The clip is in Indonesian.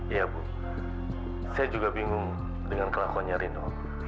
iya bu saya juga bingung dengan kelakonnya rino